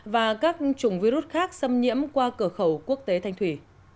và các chủng virus khác xâm nhiễm qua cửa khẩu quốc tế thanh thủy